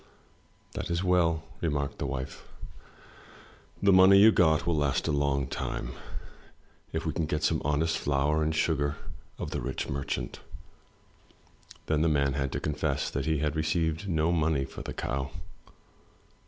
'That is well," remarked the wife. "The money you got will last a long time, if we can get some honest flour and sugar of the rich merchant." Then the man had to confess that he had received no money for the cow.